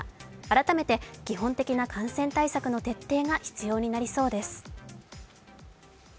改めて基本的な感染対策の徹底が必要になりそうです。